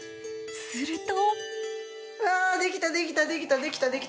すると。